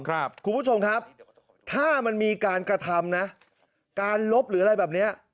คุณผู้ชมครับถ้ามันมีการกระทำนะการลบหรืออะไรแบบเนี้ย